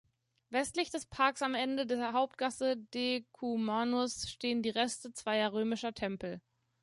Westlich des Parks am Ende der Hauptgasse "Decumanus" stehen die Reste zweier römischer Tempel.